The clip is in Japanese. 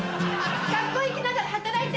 学校行きながら働いて